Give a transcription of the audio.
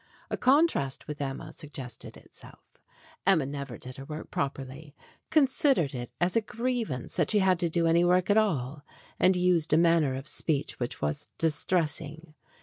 A contrast with Emma suggested itself. Emma never did her work properly, considered it as a griev ance that she had to do any work at all, and used a manner of speech which was distressing.